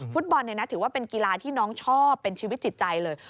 ฟุตบอลถือว่าเป็นกีฬาที่น้องชอบเป็นชีวิตจิตใจเลย